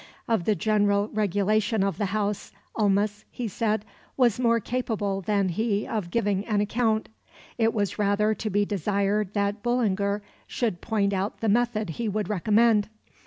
Of the general regulation of the house, Ulmis, he said, was more capable than he of giving an account. It was rather to be desired that Bullinger should point out the method he would recommend.